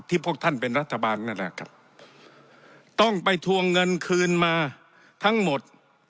พวกท่านเป็นรัฐบาลนั่นแหละครับต้องไปทวงเงินคืนมาทั้งหมด